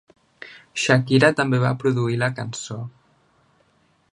Shakira també va produir la cançó.